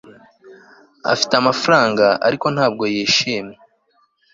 afite amafaranga, ariko ntabwo yishimye